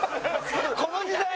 この時代の。